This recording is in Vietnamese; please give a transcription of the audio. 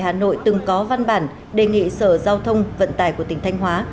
hà nội từng có văn bản đề nghị sở giao thông vận tải của tỉnh thanh hóa